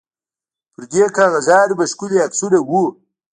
پر دې کاغذانو به ښکلي عکسونه وو.